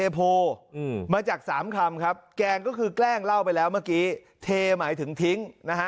โพอืมมาจากสามคำครับแกล้งก็คือแกล้งเล่าไปแล้วเมื่อกี้เทหมายถึงทิ้งนะฮะ